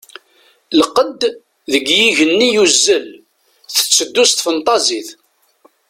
Lqedd deg yigenni yuzzel, tetteddu s tfenṭazit.